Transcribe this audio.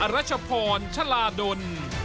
รัชพรชลาดล